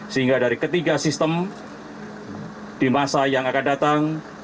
sehingga dari ketiga sistem di masa yang akan datang